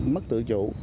mất tự chủ